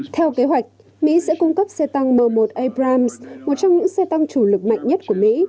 theo kế hoạch mỹ sẽ cung cấp xe tăng m một abrams một trong những xe tăng chủ lực mạnh nhất của mỹ